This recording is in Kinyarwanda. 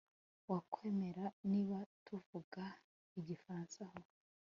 Wakwemera niba tuvuga igifaransa aho